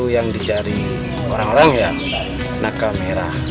yang di cari orang orang ya nangka merah